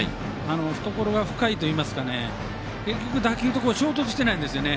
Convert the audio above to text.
懐が深いというか結局、打球と衝突してないんですよね。